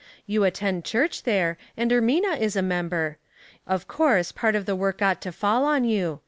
You attend church there, and Ermina is a member. Of course part of the work ought to fall on you.